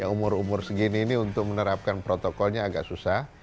umur umur segini ini untuk menerapkan protokolnya agak susah